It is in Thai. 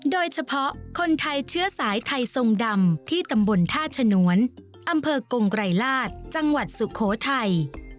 โดยเฉพาะคนไทยเชื้อสายไทยทรงดำที่ตำบลท่าฉนวนอำเภอกงไกรลาศจังหวัดสุโขทัย